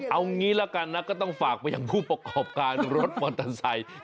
เอางี้ละกันนะก็ต้องฝากไปยังผู้ประกอบการรถมอเตอร์ไซค์